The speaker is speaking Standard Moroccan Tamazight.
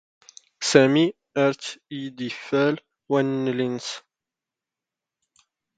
ⵙⴰⵎⵉ ⴰⵔ ⵜ ⵉⴷ ⵉⴼⴼⴰⵍ ⵡⴰⵏⵏⵍⵉ ⵏⵏⵙ.